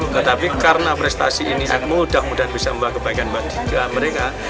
tetapi karena prestasi ini mudah mudahan bisa membawa kebaikan bagi mereka